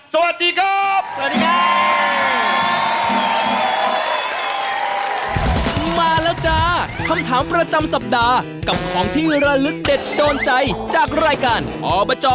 สวัสดีครับ